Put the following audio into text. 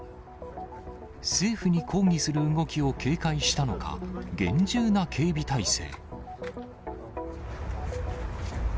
政府に抗議する動きを警戒したのか、厳重な警備態勢。